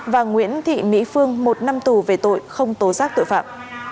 và nguyễn thị mỹ phương một năm tù về tội không tố giác tội phạm